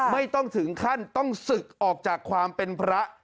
ไม่ต้องถึงขั้นต้องศึกออกจากความเป็นพระ